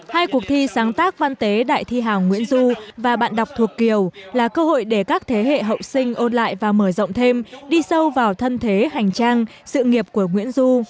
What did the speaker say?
hai cuộc thi sáng tác văn tế đại thi hào nguyễn du và bạn đọc thuộc kiều là cơ hội để các thế hệ hậu sinh ôn lại và mở rộng thêm đi sâu vào thân thế hành trang sự nghiệp của nguyễn du